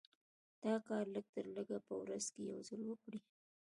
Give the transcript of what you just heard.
دا کار لږ تر لږه په ورځ کې يو ځل وکړئ.